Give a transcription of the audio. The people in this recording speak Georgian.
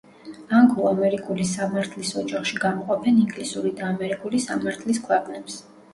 ანგლო-ამერიკული სამართლის ოჯახში გამოყოფენ ინგლისური და ამერიკული სამართლის ქვეყნებს.